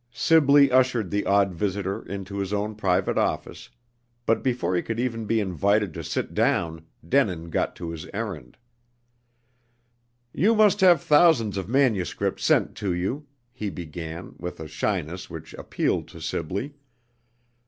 Sibley ushered the odd visitor into his own private office, but before he could even be invited to sit down, Denin got to his errand. "You must have thousands of manuscripts sent to you," he began, with a shyness which appealed to Sibley.